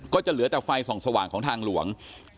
ก็จะเหลือแต่ไฟส่องสว่างของทางหลวง